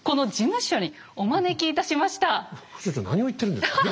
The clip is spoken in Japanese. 副所長何を言ってるんですか？